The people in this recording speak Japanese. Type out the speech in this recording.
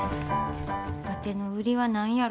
わての売りは何やろか？